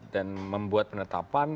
dan membuat penetapan